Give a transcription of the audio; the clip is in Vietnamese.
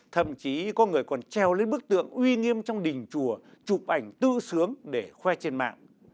thậm chí có người còn treo lên bức tượng uy nghiêm trong đình chùa chụp ảnh tự xướng để khoe trên mạng